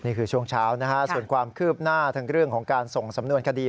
ช่วงเช้านะฮะส่วนความคืบหน้าทั้งเรื่องของการส่งสำนวนคดี